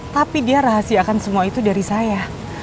tapi dia rahasiakan semua itu dari saya